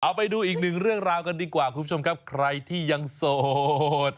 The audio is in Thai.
เอาไปดูอีกหนึ่งเรื่องราวกันดีกว่าคุณผู้ชมครับใครที่ยังโสด